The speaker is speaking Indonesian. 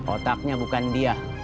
otaknya bukan dia